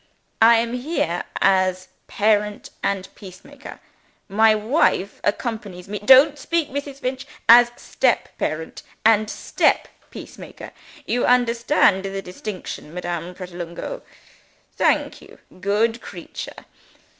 I am here as parent and peacemaker. My wife accompanies me don't speak, Mrs. Finch! as step parent and step peacemaker. (You understand the distinction, Madame Pratolungo? Thank you. Good creature.)